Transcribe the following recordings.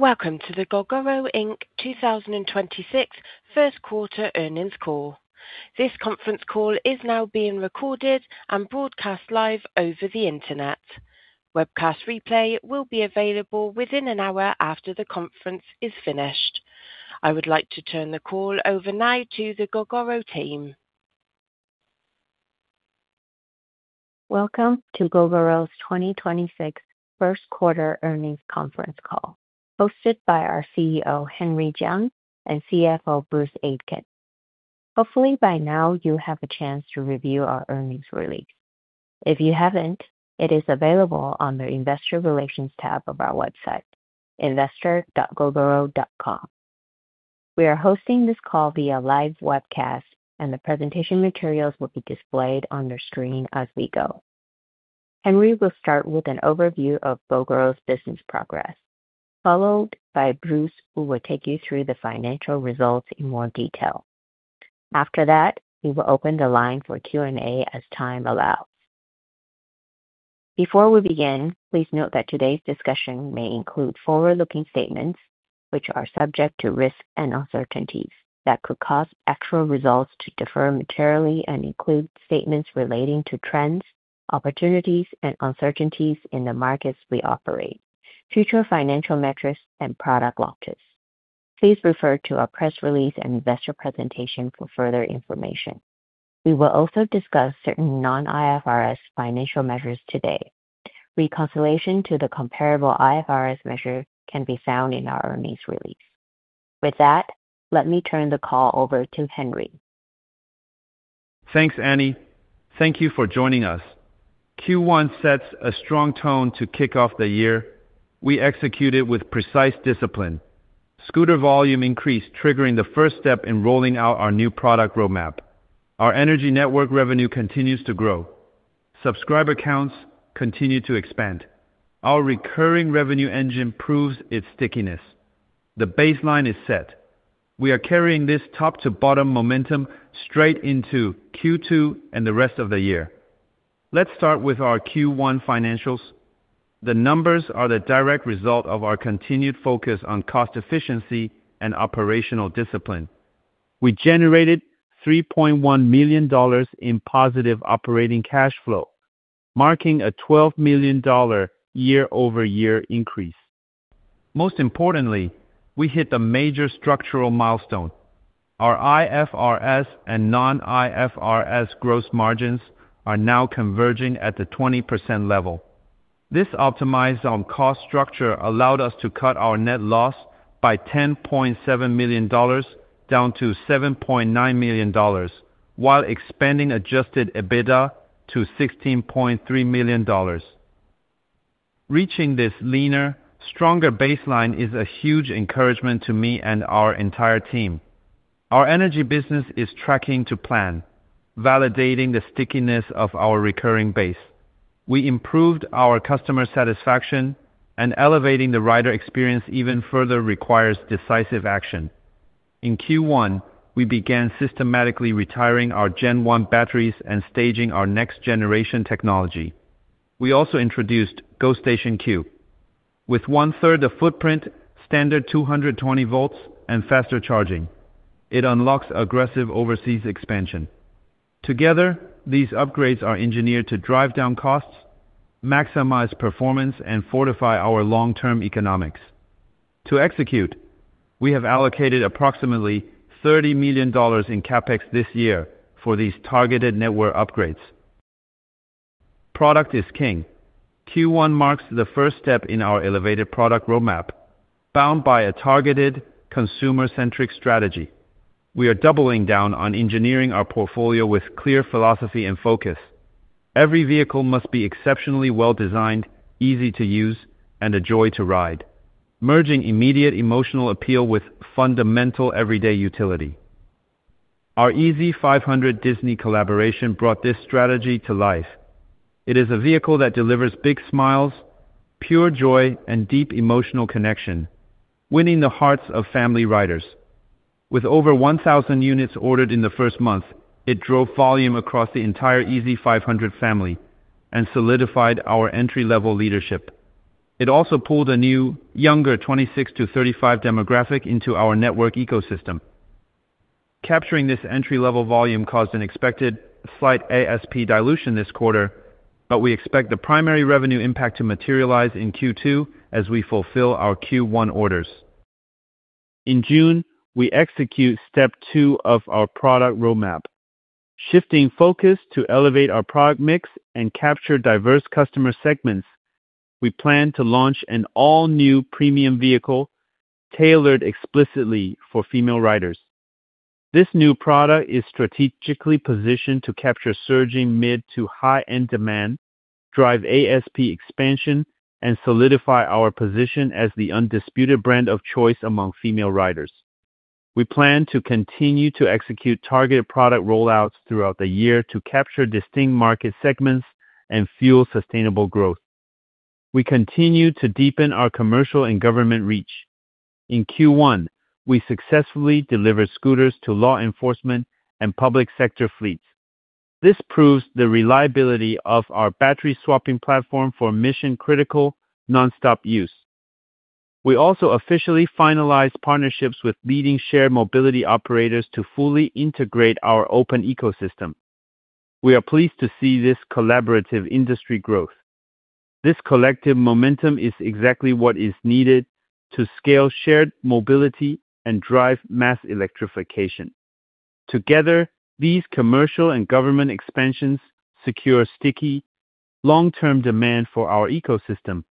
Welcome to the Gogoro Inc. 2026 first quarter earnings call. This conference call is now being recorded and broadcast live over the internet. Webcast replay will be available within an hour after the conference is finished. I would like to turn the call over now to the Gogoro team. Welcome to Gogoro's 2026 first quarter earnings conference call, hosted by our CEO, Henry Chiang, and CFO, Bruce Aitken. Hopefully by now you have a chance to review our earnings release. If you haven't, it is available on the investor relations tab of our website, investor.gogoro.com. We are hosting this call via live webcast, and the presentation materials will be displayed on your screen as we go. Henry will start with an overview of Gogoro's business progress, followed by Bruce, who will take you through the financial results in more detail. After that, we will open the line for Q&A as time allows. Before we begin, please note that today's discussion may include forward-looking statements, which are subject to risks and uncertainties that could cause actual results to differ materially, and include statements relating to trends, opportunities, and uncertainties in the markets we operate, future financial metrics, and product launches. Please refer to our press release and investor presentation for further information. We will also discuss certain non-IFRS financial measures today. Reconciliation to the comparable IFRS measures can be found in our earnings release. Let me turn the call over to Henry. Thanks, Annie. Thank you for joining us. Q1 sets a strong tone to kick off the year. We executed with precise discipline. Scooter volume increased, triggering the first step in rolling out our new product roadmap. Our energy network revenue continues to grow. Subscriber counts continue to expand. Our recurring revenue engine proves its stickiness. The baseline is set. We are carrying this top-to-bottom momentum straight into Q2 and the rest of the year. Let's start with our Q1 financials. The numbers are the direct result of our continued focus on cost efficiency and operational discipline. We generated $3.1 million in positive operating cash flow, marking a $12 million year-over-year increase. Most importantly, we hit a major structural milestone. Our IFRS and non-IFRS gross margins are now converging at the 20% level. This optimized cost structure allowed us to cut our net loss by $10.7 million down to $7.9 million while expanding adjusted EBITDA to $16.3 million. Reaching this leaner, stronger baseline is a huge encouragement to me and our entire team. Our energy business is tracking to plan, validating the stickiness of our recurring base. We improved our customer satisfaction. Elevating the rider experience even further requires decisive action. In Q1, we began systematically retiring our Gen 1 batteries and staging our next-generation technology. We also introduced GoStation Q. With one-third the footprint, standard 220 volts, and faster charging, it unlocks aggressive overseas expansion. Together, these upgrades are engineered to drive down costs, maximize performance, and fortify our long-term economics. To execute, we have allocated approximately $30 million in CapEx this year for these targeted network upgrades. Product is king. Q1 marks the first step in our elevated product roadmap, bound by a targeted consumer-centric strategy. We are doubling down on engineering our portfolio with clear philosophy and focus. Every vehicle must be exceptionally well-designed, easy to use, and a joy to ride, merging immediate emotional appeal with fundamental everyday utility. Our Ezzy 500 Disney collaboration brought this strategy to life. It is a vehicle that delivers big smiles, pure joy, and deep emotional connection, winning the hearts of family riders. With over 1,000 units ordered in the first month, it drove volume across the entire Ezzy 500 family and solidified our entry-level leadership. It also pulled a new, younger 26 to 35 demographic into our network ecosystem. Capturing this entry-level volume caused an expected slight ASP dilution this quarter, but we expect the primary revenue impact to materialize in Q2 as we fulfill our Q1 orders. In June, we execute step 2 of our product roadmap, shifting focus to elevate our product mix and capture diverse customer segments. We plan to launch an all-new premium vehicle tailored explicitly for female riders. This new product is strategically positioned to capture surging mid- to high-end demand, drive ASP expansion, and solidify our position as the undisputed brand of choice among female riders. We plan to continue to execute targeted product rollouts throughout the year to capture distinct market segments and fuel sustainable growth. We continue to deepen our commercial and government reach. In Q1, we successfully delivered scooters to law enforcement and public sector fleets. This proves the reliability of our battery-swapping platform for mission-critical nonstop use. We also officially finalized partnerships with leading shared mobility operators to fully integrate our open ecosystem. We are pleased to see this collaborative industry growth. This collective momentum is exactly what is needed to scale shared mobility and drive mass electrification. Together, these commercial and government expansions secure sticky long-term demand for our ecosystem.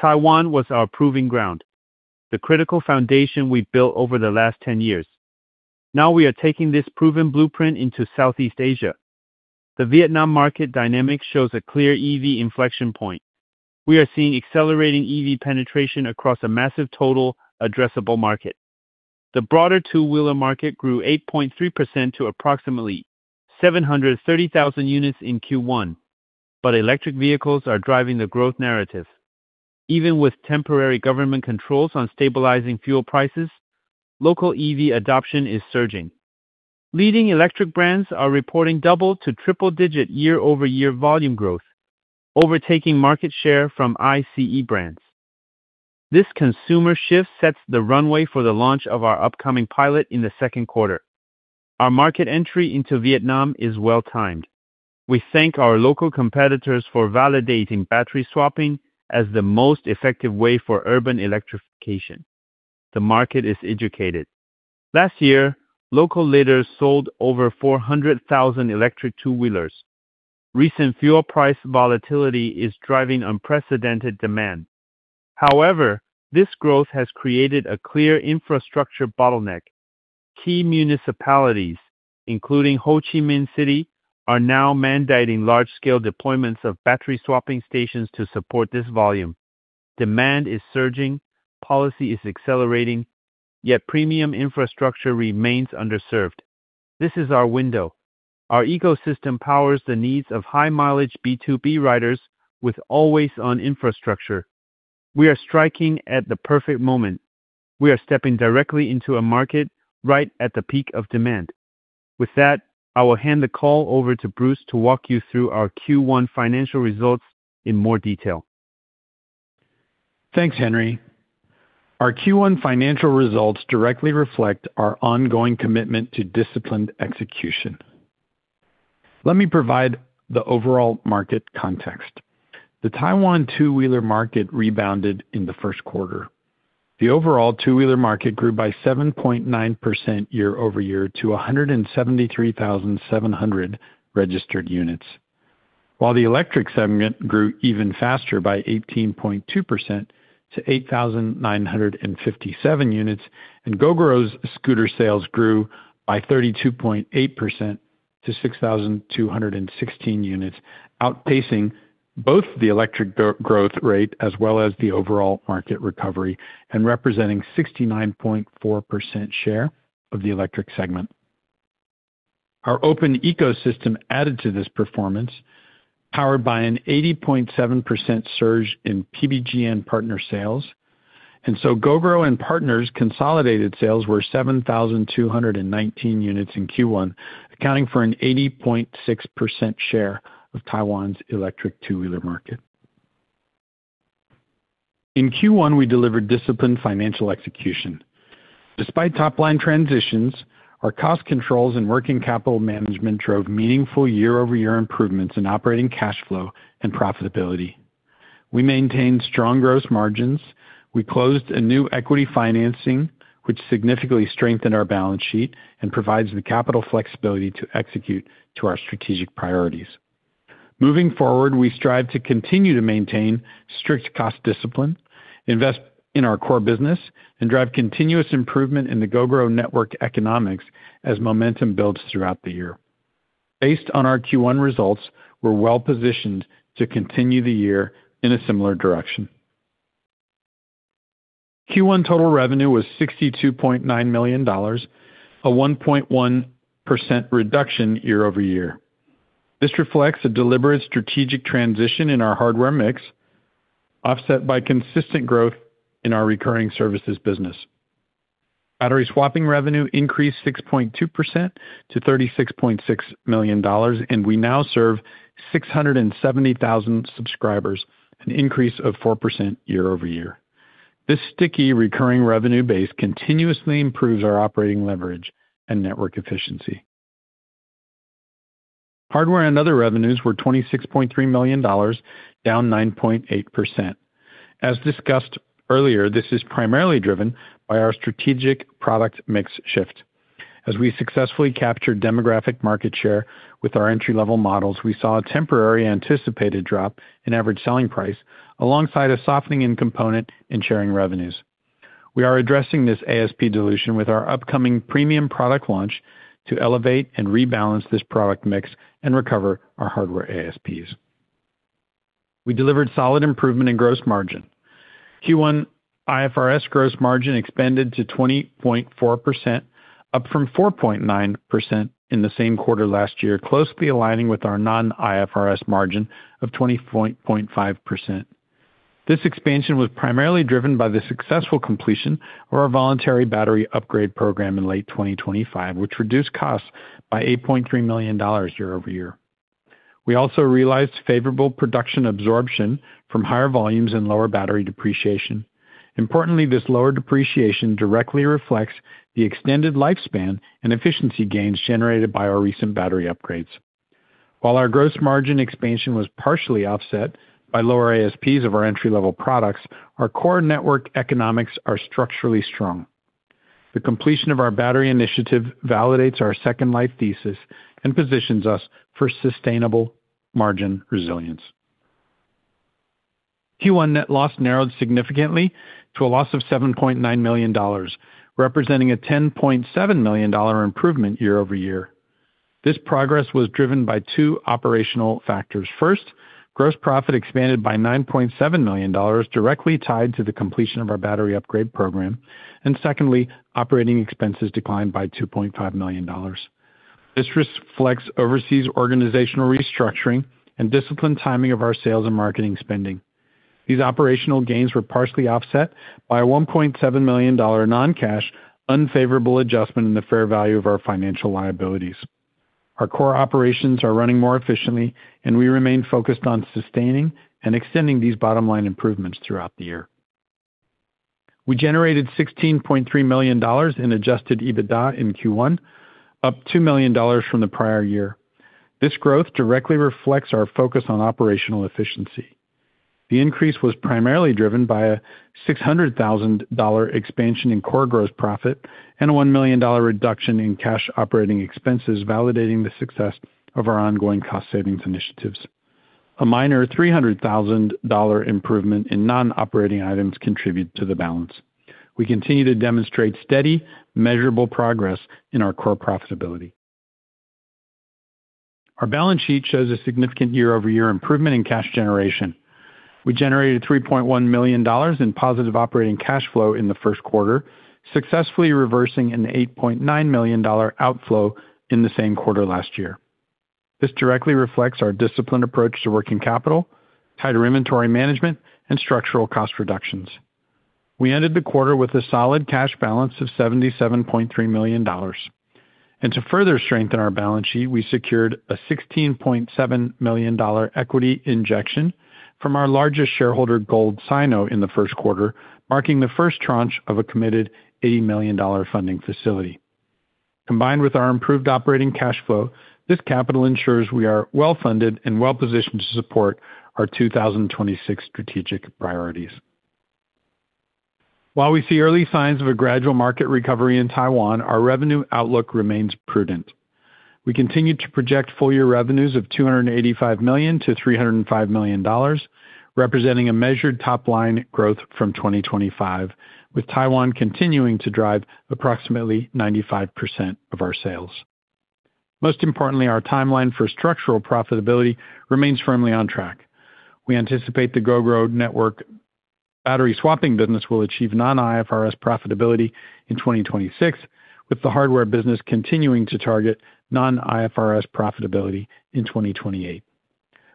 Taiwan was our proving ground, the critical foundation we've built over the last 10 years. Now we are taking this proven blueprint into Southeast Asia. The Vietnam market dynamic shows a clear EV inflection point. We are seeing accelerating EV penetration across a massive total addressable market. The broader two-wheeler market grew 8.3% to approximately 730,000 units in Q1. Electric vehicles are driving the growth narrative. Even with temporary government controls on stabilizing fuel prices, local EV adoption is surging. Leading electric brands are reporting double to triple-digit year-over-year volume growth, overtaking market share from ICE brands. This consumer shift sets the runway for the launch of our upcoming pilot in the second quarter. Our market entry into Vietnam is well-timed. We thank our local competitors for validating battery swapping as the most effective way for urban electrification. The market is educated. Last year, local leaders sold over 400,000 electric two-wheelers. Recent fuel price volatility is driving unprecedented demand. However, this growth has created a clear infrastructure bottleneck. Key municipalities, including Ho Chi Minh City, are now mandating large-scale deployments of battery-swapping stations to support this volume. Demand is surging. Policy is accelerating, yet premium infrastructure remains underserved. This is our window. Our ecosystem powers the needs of high-mileage B2B riders with always-on infrastructure. We are striking at the perfect moment. We are stepping directly into a market right at the peak of demand. With that, I will hand the call over to Bruce to walk you through our Q1 financial results in more detail. Thanks, Henry. Our Q1 financial results directly reflect our ongoing commitment to disciplined execution. Let me provide the overall market context. The Taiwan two-wheeler market rebounded in the first quarter. The overall two-wheeler market grew by 7.9% year-over-year to 173,700 registered units. While the electric segment grew even faster by 18.2% to 8,957 units, and Gogoro's scooter sales grew by 32.8% to 6,216 units, outpacing both the electric growth rate as well as the overall market recovery and representing 69.4% share of the electric segment. Our open ecosystem added to this performance, powered by an 80.7% surge in PBGN partner sales. Gogoro and partners' consolidated sales were 7,219 units in Q1, accounting for an 80.6% share of Taiwan's electric two-wheeler market. In Q1, we delivered disciplined financial execution. Despite top-line transitions, our cost controls and working capital management drove meaningful year-over-year improvements in operating cash flow and profitability. We maintained strong gross margins. We closed a new equity financing, which significantly strengthened our balance sheet and provides the capital flexibility to execute to our strategic priorities. Moving forward, we strive to continue to maintain strict cost discipline, invest in our core business, and drive continuous improvement in the Gogoro Network economics as momentum builds throughout the year. Based on our Q1 results, we're well-positioned to continue the year in a similar direction. Q1 total revenue was $62.9 million, a 1.1% reduction year-over-year. This reflects a deliberate strategic transition in our hardware mix, offset by consistent growth in our recurring services business. Battery swapping revenue increased 6.2% to $36.6 million, and we now serve 670,000 subscribers, an increase of 4% year-over-year. This sticky recurring revenue base continuously improves our operating leverage and network efficiency. Hardware and other revenues were $26.3 million, down 9.8%. As discussed earlier, this is primarily driven by our strategic product mix shift. As we successfully captured demographic market share with our entry-level models, we saw a temporary anticipated drop in average selling price alongside a softening in component and sharing revenues. We are addressing this ASP dilution with our upcoming premium product launch to elevate and rebalance this product mix and recover our hardware ASPs. We delivered solid improvement in gross margin. Q1 IFRS gross margin expanded to 20.4%, up from 4.9% in the same quarter last year, closely aligning with our non-IFRS margin of 20.5%. This expansion was primarily driven by the successful completion of our voluntary battery upgrade program in late 2025, which reduced costs by $8.3 million year-over-year. We also realized favorable production absorption from higher volumes and lower battery depreciation. Importantly, this lower depreciation directly reflects the extended lifespan and efficiency gains generated by our recent battery upgrades. While our gross margin expansion was partially offset by lower ASPs of our entry-level products, our core network economics are structurally strong. The completion of our battery initiative validates our Second Life thesis and positions us for sustainable margin resilience. Q1 net loss narrowed significantly to a loss of $7.9 million, representing a $10.7 million improvement year-over-year. This progress was driven by two operational factors. First, gross profit expanded by $9.7 million, directly tied to the completion of our battery upgrade program, secondly, operating expenses declined by $2.5 million. This reflects overseas organizational restructuring and disciplined timing of our sales and marketing spending. These operational gains were partially offset by a $1.7 million non-cash unfavorable adjustment in the fair value of our financial liabilities. Our core operations are running more efficiently, and we remain focused on sustaining and extending these bottom-line improvements throughout the year. We generated $16.3 million in adjusted EBITDA in Q1, up $2 million from the prior year. This growth directly reflects our focus on operational efficiency. The increase was primarily driven by a $600,000 expansion in core gross profit and a $1 million reduction in cash operating expenses, validating the success of our ongoing cost savings initiatives. A minor $300,000 improvement in non-operating items contribute to the balance. We continue to demonstrate steady, measurable progress in our core profitability. Our balance sheet shows a significant year-over-year improvement in cash generation. We generated $3.1 million in positive operating cash flow in the first quarter, successfully reversing an $8.9 million outflow in the same quarter last year. This directly reflects our disciplined approach to working capital, tighter inventory management, and structural cost reductions. We ended the quarter with a solid cash balance of $77.3 million. To further strengthen our balance sheet, we secured a $16.7 million equity injection from our largest shareholder, Gold Sino, in the first quarter, marking the first tranche of a committed $80 million funding facility. Combined with our improved operating cash flow, this capital ensures we are well-funded and well-positioned to support our 2026 strategic priorities. While we see early signs of a gradual market recovery in Taiwan, our revenue outlook remains prudent. We continue to project full-year revenues of $285 million to $305 million, representing a measured top-line growth from 2025, with Taiwan continuing to drive approximately 95% of our sales. Most importantly, our timeline for structural profitability remains firmly on track. We anticipate the Gogoro Network battery swapping business will achieve non-IFRS profitability in 2026, with the hardware business continuing to target non-IFRS profitability in 2028.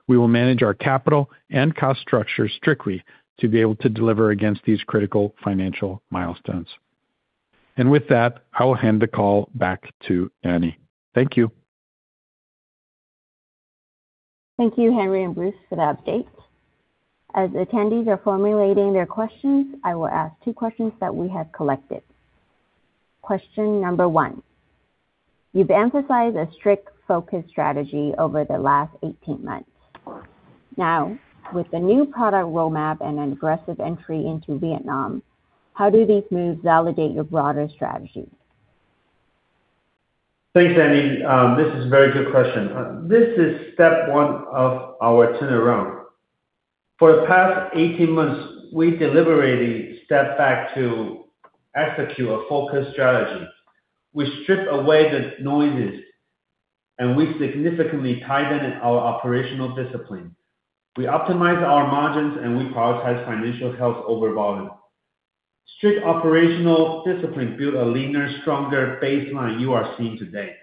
We will manage our capital and cost structure strictly to be able to deliver against these critical financial milestones. With that, I will hand the call back to Annie. Thank you. Thank you, Henry and Bruce, for the update. As attendees are formulating their questions, I will ask two questions that we have collected. Question number 1. You've emphasized a strict focused strategy over the last 18 months. Now, with the new product roadmap and an aggressive entry into Vietnam, how do these moves validate your broader strategy? Thanks, Annie. This is a very good question. This is step one of our turnaround. For the past 18 months, we deliberately stepped back to execute a focused strategy. We strip away the noises, and we significantly tightened our operational discipline. We optimized our margins, and we prioritized financial health over volume. Strict operational discipline built a leaner, stronger baseline you are seeing today.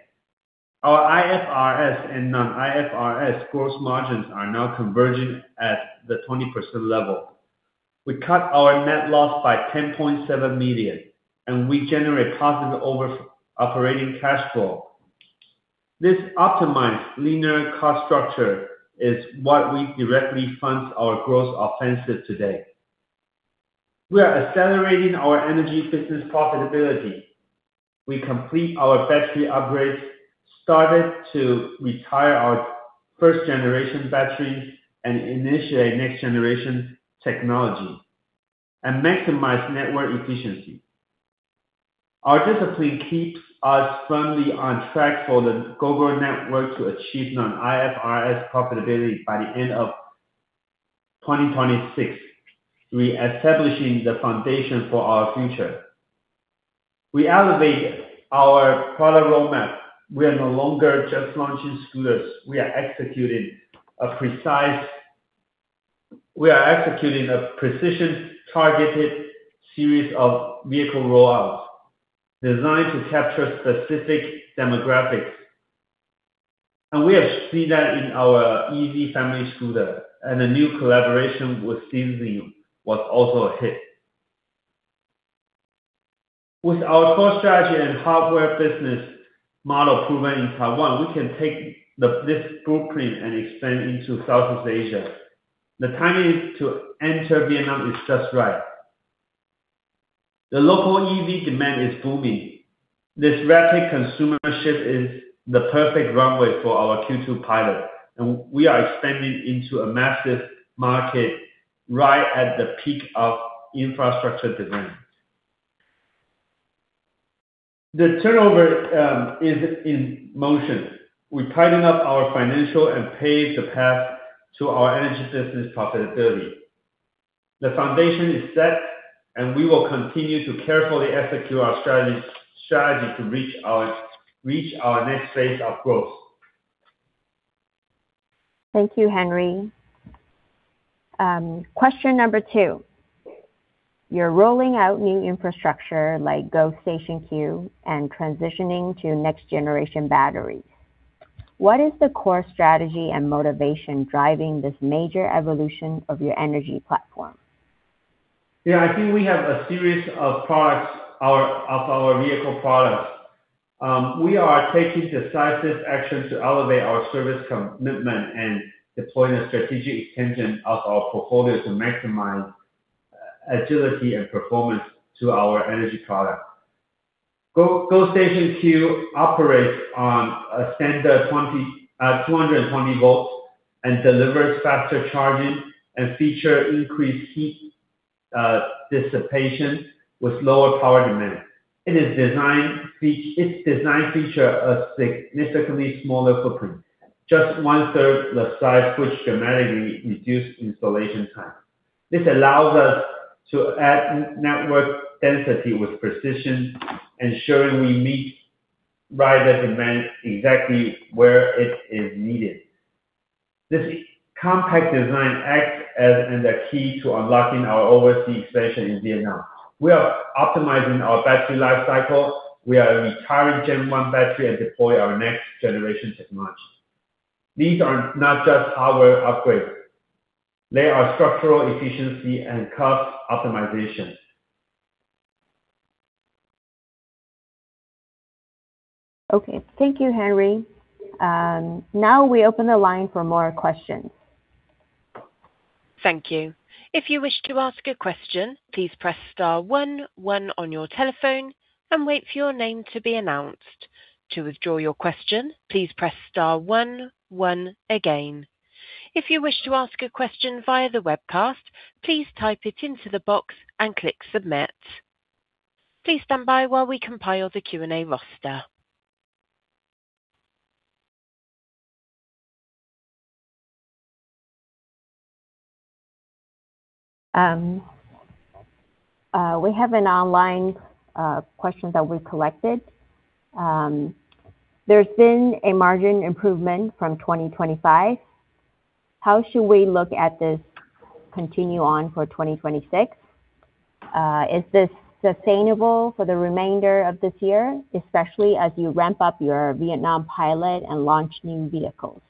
Our IFRS and non-IFRS gross margins are now converging at the 20% level. We cut our net loss by $10.7 million, and we generate positive operating cash flow. This optimized linear cost structure is what we directly fund our growth offensive today. We are accelerating our energy business profitability. We complete our battery upgrades, started to retire our first-generation batteries, and initiate next-generation technology and maximize network efficiency. Our discipline keeps us firmly on track for the Gogoro Network to achieve non-IFRS profitability by the end of 2026, reestablishing the foundation for our future. We elevated our product roadmap. We are no longer just launching scooters. We are executing a precision-targeted series of vehicle rollouts designed to capture specific demographics. We have seen that in our Ezzy Family Scooter, and the new collaboration with CAZING was also a hit. With our core strategy and hardware business model proven in Taiwan, we can take this blueprint and expand into Southeast Asia. The timing to enter Vietnam is just right. The local EV demand is booming. This rapid consumer shift is the perfect runway for our Q2 pilot. We are expanding into a massive market right at the peak of infrastructure demand. The turnover is in motion. We tighten up our financial and pave the path to our energy business profitability. The foundation is set, and we will continue to carefully execute our strategy to reach our next phase of growth. Thank you, Henry. Question number 2. You're rolling out new infrastructure like GoStation Q and transitioning to next-generation batteries. What is the core strategy and motivation driving this major evolution of your energy platform? Yeah, I think we have a series of our vehicle products. We are taking decisive action to elevate our service commitment and deploying a strategic engine of our portfolio to maximize agility and performance to our energy product. GoStation Q operates on a standard 220 volts and delivers faster charging and features increased heat dissipation with lower power demands. Its design features a significantly smaller footprint, just one-third the size, which dramatically reduces installation time. This allows us to add network density with precision, ensuring we meet rider demand exactly where it is needed. This compact design acts as the key to unlocking our overseas expansion in Vietnam. We are optimizing our battery life cycle. We are retiring Gen 1 battery and deploying our next generation technology. These are not just hardware upgrades. They are structural efficiency and cost optimization. Okay. Thank you, Henry. We open the line for more questions. Thank you. If you wish to ask a question, please press star one on your telephone and wait for your name to be announced. To withdraw your question, please press star one again. If you wish to ask a question via the webcast, please type it into the box and click submit. Please stand by while we compile the Q&A roster. We have an online question that we collected. There's been a margin improvement from 2025. How should we look at this continue on for 2026? Is this sustainable for the remainder of this year, especially as you ramp up your Vietnam pilot and launch new vehicles?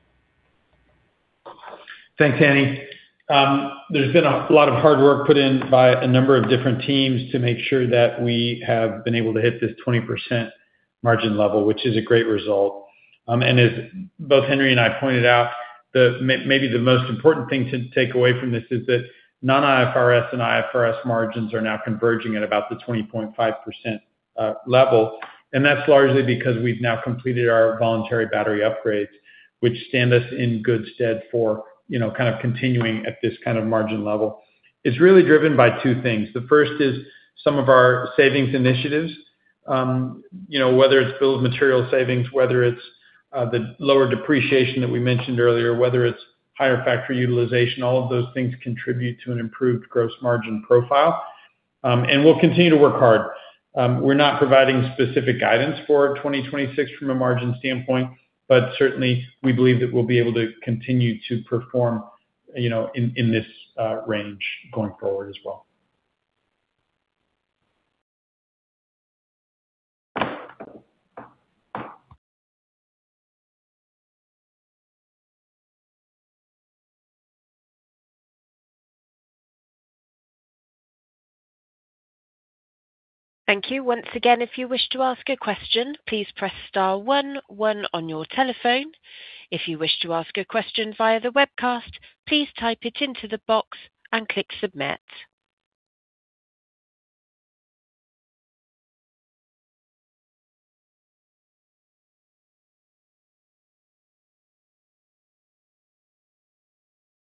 Thanks, Annie. There's been a lot of hard work put in by a number of different teams to make sure that we have been able to hit this 20% margin level, which is a great result. As both Henry and I pointed out, maybe the most important thing to take away from this is that non-IFRS and IFRS margins are now converging at about the 20.5% level. That's largely because we've now completed our voluntary battery upgrades, which stand us in good stead for continuing at this kind of margin level. It's really driven by two things. The first is some of our savings initiatives, whether it's bill of material savings, whether it's the lower depreciation that we mentioned earlier, whether it's higher factory utilization, all of those things contribute to an improved gross margin profile. We'll continue to work hard. We're not providing specific guidance for 2026 from a margin standpoint, but certainly, we believe that we'll be able to continue to perform in this range going forward as well. Thank you. Once again, if you wish to ask a question, please press star one on your telephone. If you wish to ask a question via the webcast, please type it into the box and click submit.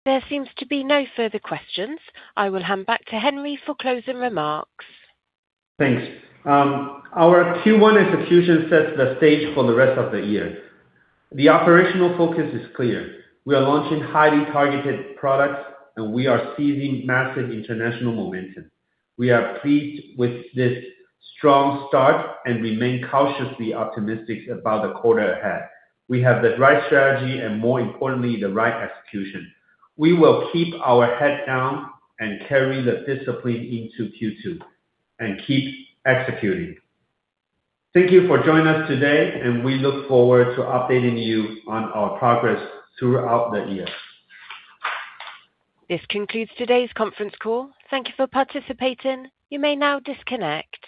There seems to be no further questions. I will hand back to Henry for closing remarks. Thanks. Our Q1 execution sets the stage for the rest of the year. The operational focus is clear. We are launching highly targeted products, and we are seizing massive international momentum. We are pleased with this strong start and remain cautiously optimistic about the quarter ahead. We have the right strategy and, more importantly, the right execution. We will keep our head down and carry the discipline into Q2 and keep executing. Thank you for joining us today, and we look forward to updating you on our progress throughout the year. This concludes today's conference call. Thank you for participating. You may now disconnect.